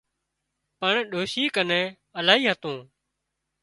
پڻ ڏوشي ڪنين الاهي هتون